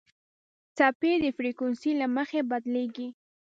څپې د فریکونسۍ له مخې بدلېږي.